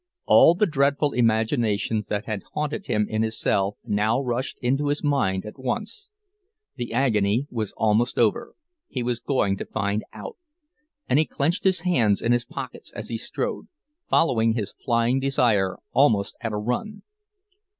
All the dreadful imaginations that had haunted him in his cell now rushed into his mind at once. The agony was almost over—he was going to find out; and he clenched his hands in his pockets as he strode, following his flying desire, almost at a run.